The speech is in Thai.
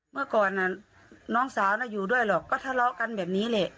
เมื่อก่อนน้องสาวน่ะอยู่ด้วยหรอกก็ทะเลาะกันแบบนี้แหละ